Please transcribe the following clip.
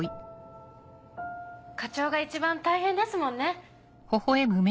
課長が一番大変ですもんね。